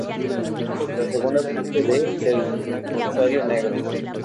La segunda parte de "El Corsario Negro".